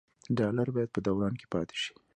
ډالر باید په دوران کې پاتې شي.